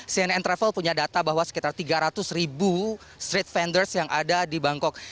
cnn travel punya data bahwa sekitar tiga ratus ribu street vendorse yang ada di bangkok